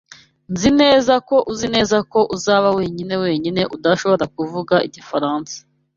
Nzi neza ko uzi neza ko uzaba wenyine wenyine udashobora kuvuga igifaransa.